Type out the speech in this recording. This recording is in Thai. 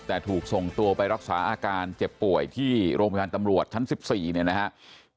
แต่ถูกส่งตัวไปรักษาอาการเจ็บป่วยที่โรงพยาบาลตำรวจชั้น๑๔เนี่ยนะครับ